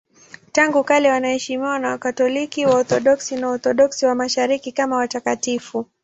Tangu kale wanaheshimiwa na Wakatoliki, Waorthodoksi na Waorthodoksi wa Mashariki kama watakatifu.